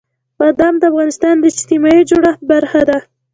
بادام د افغانستان د اجتماعي جوړښت برخه ده.